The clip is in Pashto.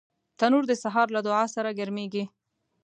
تنور د سهار له دعا سره ګرمېږي